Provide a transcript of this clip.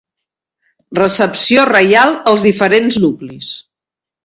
Recepció reial als diferents nuclis.